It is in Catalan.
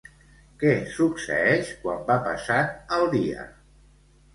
Què succeeix quan va passant el dia?